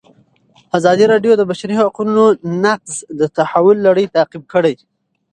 ازادي راډیو د د بشري حقونو نقض د تحول لړۍ تعقیب کړې.